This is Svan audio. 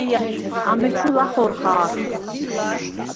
ამეჩუ ლახორ ხა̄რხ.